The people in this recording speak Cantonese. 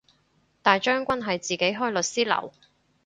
大將軍係自己開律師樓